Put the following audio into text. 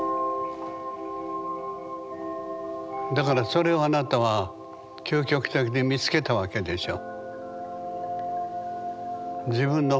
だからそれをあなたは究極的に見つけたわけでしょ。